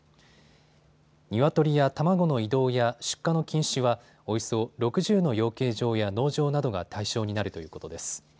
ニワトリや卵の移動や出荷の禁止はおよそ６０の養鶏場や農場などが対象になるということです。